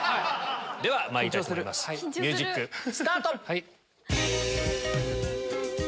でままいりたいと思いますミュージックスタート！